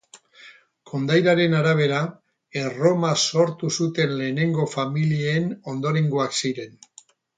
Kondairaren arabera, Erroma sortu zuten lehenengo familien ondorengoak ziren.